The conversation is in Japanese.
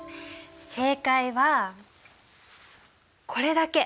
正解はこれだけ。